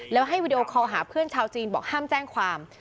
แล้วให้วีดีโอคอลหาเพื่อนชาวจีนบอกห้ามแจ้งความ